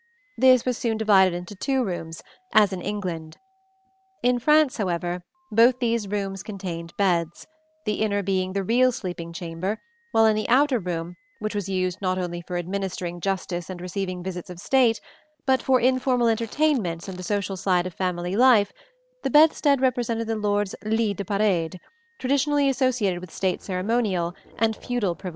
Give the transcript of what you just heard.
This was soon divided into two rooms, as in England. In France, however, both these rooms contained beds; the inner being the real sleeping chamber, while in the outer room, which was used not only for administering justice and receiving visits of state, but for informal entertainments and the social side of family life, the bedstead represented the lord's lit de parade, traditionally associated with state ceremonial and feudal privileges.